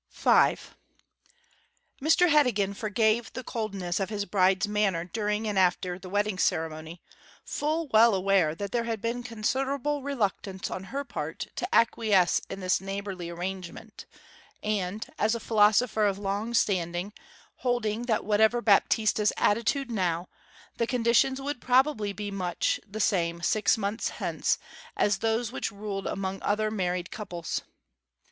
V Mr Heddegan forgave the coldness of his bride's manner during and after the wedding ceremony, full well aware that there had been considerable reluctance on her part to acquiesce in this neighbourly arrangement, and, as a philosopher of long standing, holding that whatever Baptista's attitude now, the conditions would probably be much the same six months hence as those which ruled among other married couples.